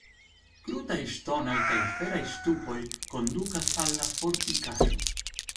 Krutaj ŝtonaj kaj feraj ŝtupoj kondukas al la fortikaĵo.